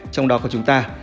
trong đó có chúng ta